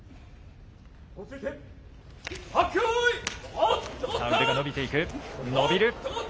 さあ、腕が伸びていく、伸びる。